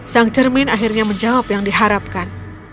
sang cermin akhirnya menjawab yang diharapkan